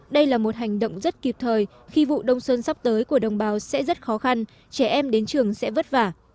đây là một hành động rất kịp thời khi vụ đông xuân sắp tới của đồng bào sẽ rất khó khăn trẻ em đến trường sẽ vất vả